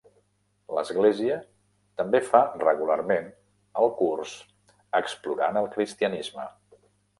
L'església també fa regularment el curs Explorant el cristianisme.